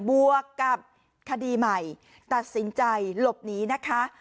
บวกกับคดีใหม่ตัดสินใจหลบหนีนะคะ